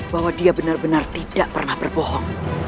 bahwa dia benar benar tidak pernah berbohong